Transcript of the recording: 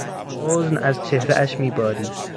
حزن از چهرهاش میبارید.